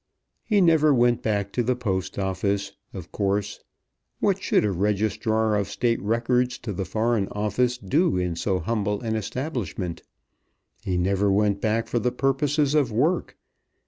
He never went back to the Post Office, of course. What should a Registrar of State Records to the Foreign Office do in so humble an establishment? He never went back for the purposes of work.